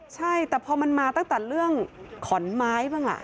ใช่แต่พอมันมาตั้งแต่เรื่องขอนไม้บ้างล่ะ